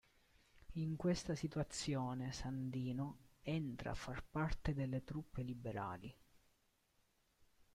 In questa situazione Sandino entra a far parte delle truppe liberali.